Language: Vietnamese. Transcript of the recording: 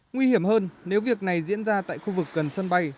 nguy hiểm hơn nếu việc này diễn ra tại khu vực gần sân bay